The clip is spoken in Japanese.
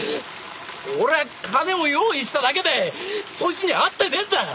俺は金を用意しただけでそいつには会ってねえんだよ！